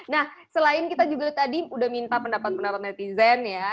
nah selain kita juga tadi udah minta pendapat pendapat netizen ya